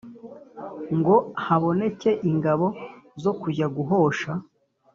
ngo haboneke ingabo zo kujya guhosha